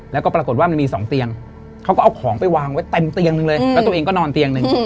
แล้วก็ปรากฏว่ามันมี๒เตียงเขาก็เอาของไปวางไว้เต็มเตียงหนึ่งเลยแล้วตัวเองก็นอนเตียงหนึ่ง